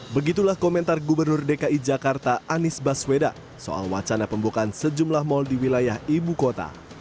begitulah komentar gubernur dki jakarta anies baswedan soal wacana pembukaan sejumlah mal di wilayah ibu kota